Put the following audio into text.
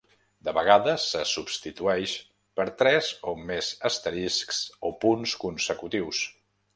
De vegades, se substitueix per tres o més asteriscs o punts consecutius.